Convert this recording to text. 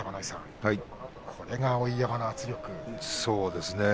これが碧山の圧力ですね。